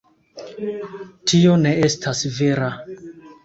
Tio ne estas vera.